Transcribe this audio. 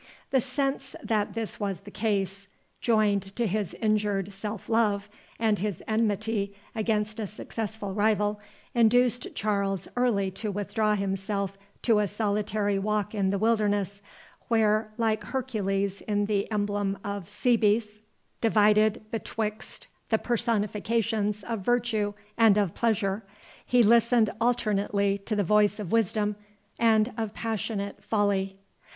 The sense that this was the case, joined to his injured self love, and his enmity against a successful rival, induced Charles early to withdraw himself to a solitary walk in the wilderness, where, like Hercules in the Emblem of Cebes, divided betwixt the personifications of Virtue and of Pleasure, he listened alternately to the voice of Wisdom and of passionate Folly.